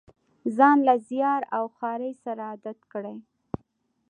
ځان له زیار او خوارۍ سره عادت کړي.